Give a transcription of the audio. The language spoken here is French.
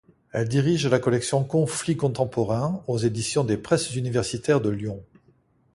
Elle dirige la collection Conflits Contemporains aux éditions des Presses universitaires de Lyon.